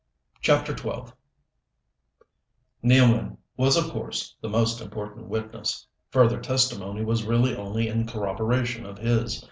CHAPTER XII Nealman was of course the most important witness. Further testimony was really only in corroboration of his.